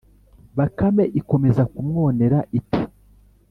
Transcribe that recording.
bakame ikomeza kumwonera iti.